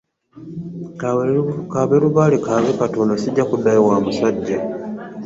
Kaabe lubaale kaabe Katonda sijja kuddayo wa musajja.